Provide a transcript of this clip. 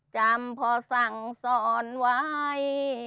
จำพอสั่งสอนไว้